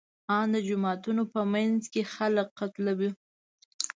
ان د جوماتونو په منځ کې خلک قتلوي.